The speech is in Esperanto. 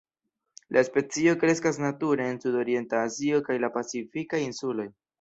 La specio kreskas nature en sudorienta Azio kaj la Pacifikaj insuloj.